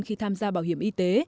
khi tham gia bảo hiểm y tế